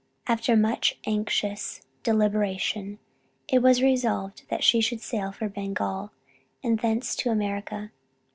After much anxious deliberation it was resolved that she should sail for Bengal, and thence to America.